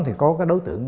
thì có cái đối tượng